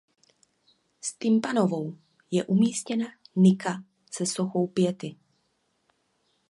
V tympanonu je umístěna nika se sochou Piety.